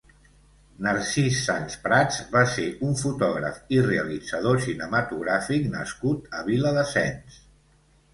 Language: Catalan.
Narcís Sans Prats va ser un fotògraf i realitzador cinematogràfic nascut a Viladasens.